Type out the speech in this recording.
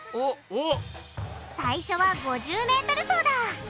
最初は５０ｍ走だ！